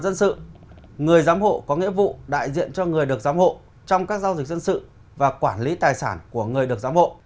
người giám hộ có nghĩa vụ đại diện cho người được giám hộ trong các giao dịch dân sự và quản lý tài sản của người được giám hộ